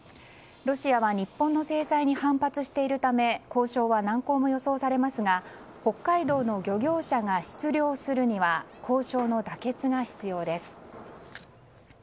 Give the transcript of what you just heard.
ロシアは日本の制裁に反発しているため交渉は難航も予想されますが北海道の漁業者が出漁するには交渉の妥結が必要です。